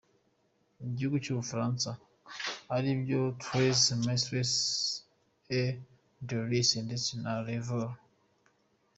gihugu cyu Bufaransa ari byo Treize mystères et délices ndetse na le vol.